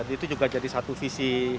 itu juga jadi satu visi